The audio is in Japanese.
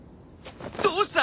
どうした！？